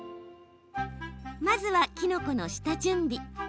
まずは、きのこの下準備。